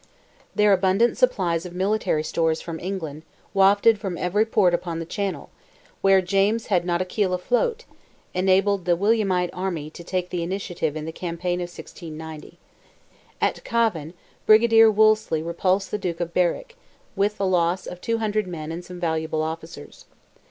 Their abundant supplies of military stores from England, wafted from every port upon the channel, where James had not a keel afloat, enabled the Williamite army to take the initiative in the campaign of 1690. At Cavan, Brigadier Wolseley repulsed the Duke of Berwick, with the loss of 200 men and some valuable officers.